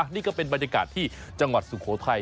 นี่ก็เป็นบรรยากาศที่จังหวัดสุโขทัย